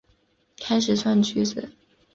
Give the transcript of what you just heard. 开始装橘子